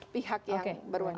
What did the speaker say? pihak yang berwarna